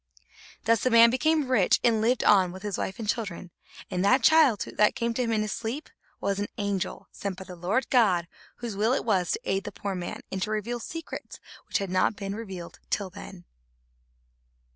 Thus the man became rich and lived on with his wife and children. And that child, that came to him in his sleep, was an angel sent by the Lord God, whose will it was to aid the poor man, and to reveal secrets which had not been revealed till then.